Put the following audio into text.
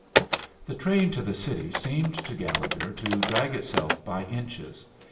The train to the city seemed to Gallegher to drag itself by inches.